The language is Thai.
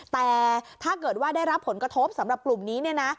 แต่ถ้าเกิดว่าได้รับผลกระทบสำหรับกลุ่มนี้เนี่ยนะ